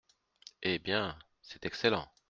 Eh ! bien, c’est excellent.